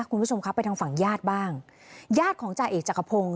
คุณผู้ชมครับไปทางฝั่งญาติบ้างญาติของจ่าเอกจักรพงศ์